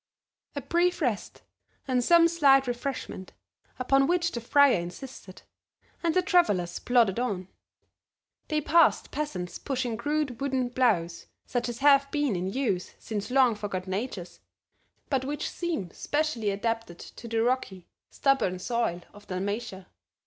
A brief rest, and some slight refreshment, upon which the friar insisted, and the travelers plodded on; they passed peasants pushing crude wooden ploughs such as have been in use since long forgotten ages, but which seem specially adapted to the rocky, stubborn soil of Dalmatia.